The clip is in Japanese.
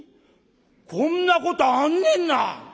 こんなことあんねんな。